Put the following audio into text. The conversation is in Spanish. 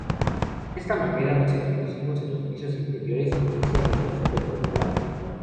De esta manera, los explosivos en los pisos inferiores inician el derrumbe controlado.